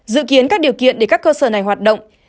dự kiến các điều kiện để các cơ sở này hoạt động